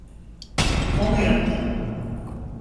O mu yaptı?